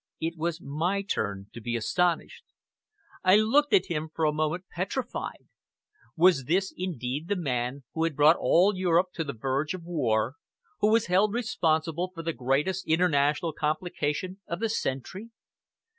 It was my turn to be astonished. I looked at him for a moment petrified. Was this indeed the man who had brought all Europe to the verge of war, who was held responsible for the greatest international complication of the century?